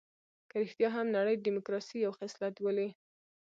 که رښتيا هم نړۍ ډيموکراسي یو خصلت بولي.